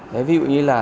đấy ví dụ như là